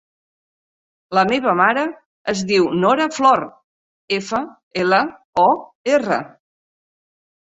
La meva mare es diu Nora Flor: efa, ela, o, erra.